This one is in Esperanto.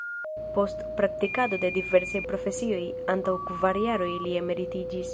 Post praktikado de diversaj profesioj, antaŭ kvar jaroj, li emeritiĝis.